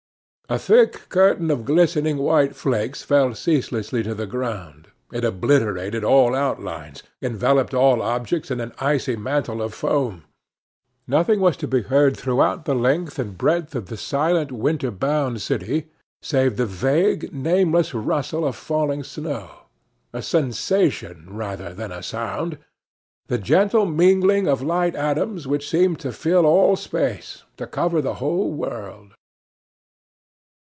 A thick curtain of glistening white flakes fell ceaselessly to the ground; it obliterated all outlines, enveloped all objects in an icy mantle of foam; nothing was to be heard throughout the length and breadth of the silent, winter bound city save the vague, nameless rustle of falling snow a sensation rather than a sound the gentle mingling of light atoms which seemed to fill all space, to cover the whole world.